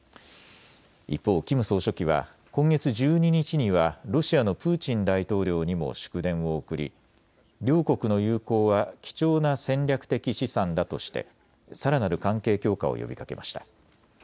一方、キム総書記は今月１２日にはロシアのプーチン大統領にも祝電を送り両国の友好は貴重な戦略的資産だとしてさらなる関係強化を呼びかけました。